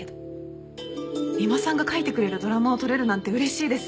三馬さんが書いてくれるドラマを撮れるなんて嬉しいです。